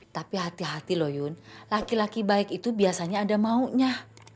tapi hati hati loh yun laki laki baik itu biasanya ada maunya